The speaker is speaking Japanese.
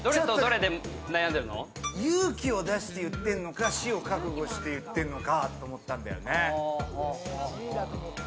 勇気を出して言ってるのか死を覚悟して言ってんのかと思ったんだよね。